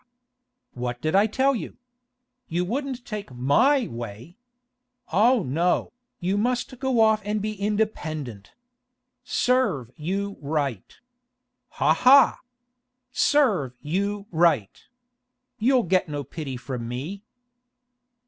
What did I tell you? You wouldn't take my way. Oh no, you must go off and be independent. Serve you right! Ha, ha! Serve you right! You'll get no pity from me.